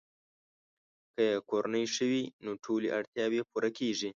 که یې کورنۍ ښه وي، نو ټولې اړتیاوې یې پوره کیږي.